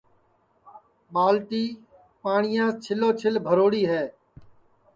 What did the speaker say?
ٻالٹی پاٹِؔیاس چھِلو چھِل بھروڑی ہے